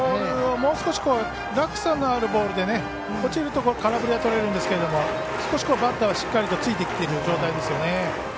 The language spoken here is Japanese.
もう少し落差のあるボールで落ちると空振りがとれるんですけど少しバッターは、しっかりとついてきている状態ですよね。